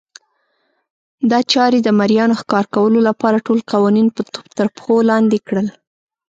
دا چارې د مریانو ښکار کولو لپاره ټول قوانین ترپښو لاندې کړل.